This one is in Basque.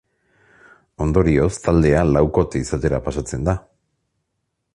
Ondorioz, taldea laukote izatera pasatzen da.